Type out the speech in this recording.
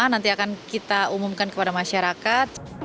nanti akan kita umumkan kepada masyarakat